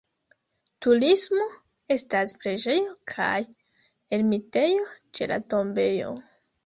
Turismo: estas preĝejo kaj ermitejo ĉe la tombejo.